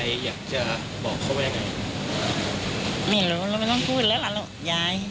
ไม่รู้เราไม่ต้องพูดแล้วล่ะล่ะยาย